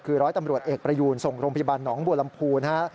คือร้อยตำรวจเอกประยูนส่งโรงพยาบาลหนองบัวลำพูนะฮะ